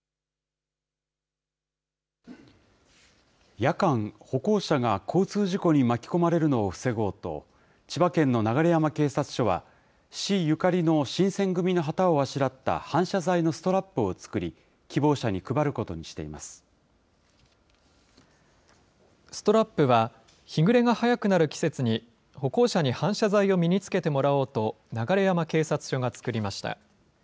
夜間、歩行者が交通事故に巻き込まれるのを防ごうと、千葉県の流山警察署は、市ゆかりの新選組の旗をあしらった反射材のストラップを作り、希ストラップは、日暮れが早くなる季節に、歩行者に反射材を身につけてもらおうと、流山警察署が作りました。